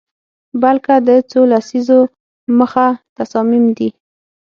بلکه د څو لسیزو مخه تصامیم دي